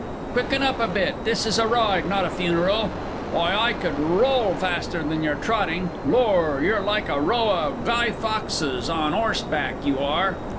Quicken up a bit this is a ride, not a funeral. Why, I could roll faster than you're trotting! Lor, you're like a row o' Guy Foxes on 'orseback, you are!